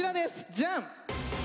ジャン！